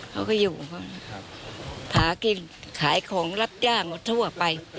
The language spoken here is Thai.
เขาก็อยู่ของเขาหากินขายของรับจ้างทั่วไป